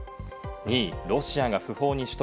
２位、ロシアが不法に取得。